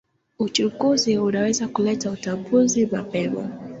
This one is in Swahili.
Uchunguzi unaweza kuleta utambuzi wa mapema.